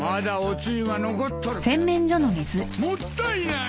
もったいない！